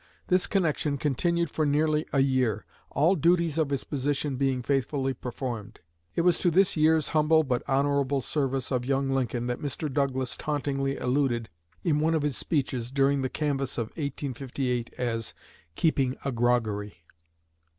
This connection continued for nearly a year, all duties of his position being faithfully performed." It was to this year's humble but honorable service of young Lincoln that Mr. Douglas tauntingly alluded in one of his speeches during the canvass of 1858 as 'keeping a groggery.'